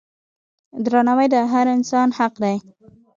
درناوی د هر انسان حق دی.